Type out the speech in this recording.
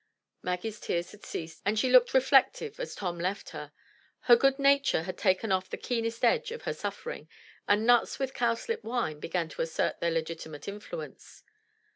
Maggie's tears had ceased and she looked reflective as Tom left her. His good nature had taken off the keenest edge of her suffering and nuts with cowslip wine began to assert their legiti mate influence.